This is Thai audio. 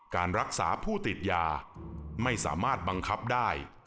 การรักษาผู้ติดยาไม่สามารถบังคับได้